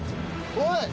おい！